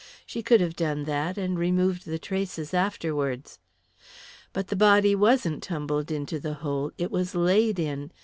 She could have done that, and removed the traces afterwards." "But the body wasn't tumbled into the hole it was laid in.